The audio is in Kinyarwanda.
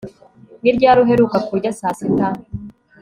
Ni ryari uheruka kurya saa sita